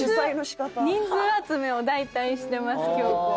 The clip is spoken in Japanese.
人数集めを大体してます京子は。